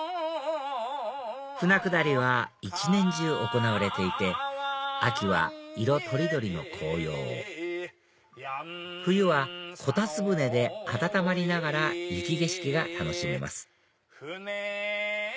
舟下りは１年中行われていて秋は色とりどりの紅葉を冬はこたつ舟で温まりながら雪景色が楽しめます